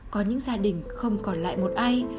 có những gia đình không còn lại một ai